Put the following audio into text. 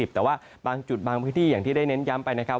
แต่ว่าบางจุดบางพื้นที่อย่างที่ได้เน้นย้ำไปนะครับ